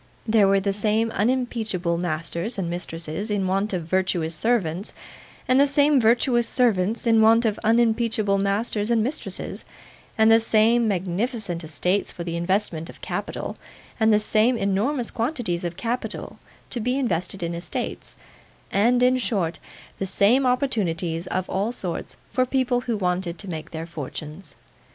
There were the same unimpeachable masters and mistresses in want of virtuous servants, and the same virtuous servants in want of unimpeachable masters and mistresses, and the same magnificent estates for the investment of capital, and the same enormous quantities of capital to be invested in estates, and, in short, the same opportunities of all sorts for people who wanted to make their fortunes.